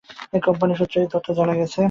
Company সূত্রে এ তথ্য জানা গেছে।